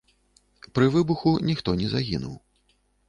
Пры выбуху ніхто не загінуў.